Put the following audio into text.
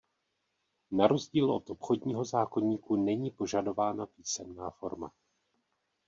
Na rozdíl od obchodního zákoníku není požadována písemná forma.